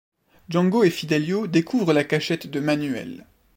Django et Fidelio découvrent la cachette de Manuel.